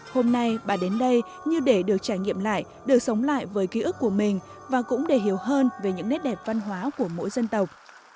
hôm nay bà đến đây như để được trải nghiệm lại được sống lại với ký ức của mình và cũng để hiểu hơn về những nét đẹp văn hóa của mỗi dân tộc